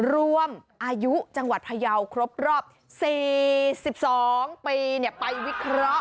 รวมอายุจังหวัดพยาวครบรอบ๔๒ปีไปวิเคราะห์